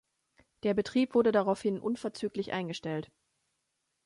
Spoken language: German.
Der Betrieb wurde daraufhin unverzüglich eingestellt.